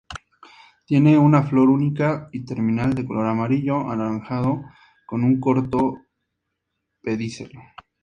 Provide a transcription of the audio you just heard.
Tiene una flor única y terminal de color amarillo-anaranjado, con un corto pedicelo.